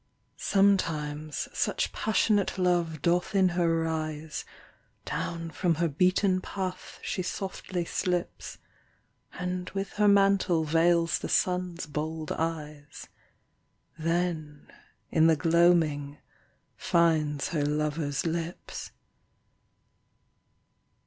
Sometimes such passionate love doth in her rise, Down from her beaten path she softly slips, And with her mantle veils the Sun's bold eyes, Then in the gloaming finds her lover's lips.